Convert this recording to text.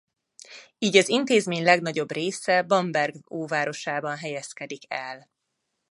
Így az intézmény legnagyobb része Bamberg óvárosában helyezkedik el.